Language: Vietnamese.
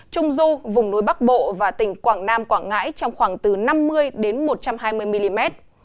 trung du vùng núi bắc bộ và tỉnh quảng nam quảng ngãi trong khoảng từ năm mươi đến một trăm hai mươi mm